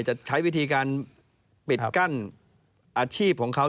จะใช้วิธีการปิดกั้นอาชีพของเขา